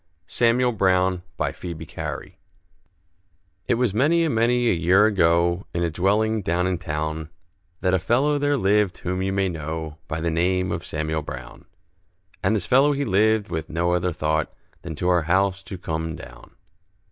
SAMUEL BROWN BY PHOEBE CARY It was many and many a year ago, In a dwelling down in town, That a fellow there lived whom you may know, By the name of Samuel Brown; And this fellow he lived with no other thought Than to our house to come down.